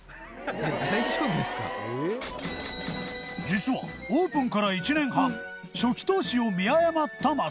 実はオープンから１年半初期投資を見誤った松本